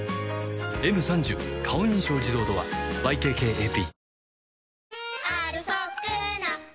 「Ｍ３０ 顔認証自動ドア」ＹＫＫＡＰ